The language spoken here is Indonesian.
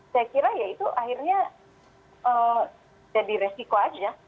saya kira ya itu akhirnya jadi resiko aja